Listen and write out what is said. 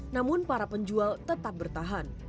namun para penjual tetap bertahan